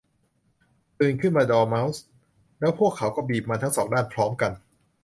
'ตื่นขึ้นมาดอร์เม้าส์ !' แล้วพวกเขาก็บีบมันทั้งสองด้านพร้อมกัน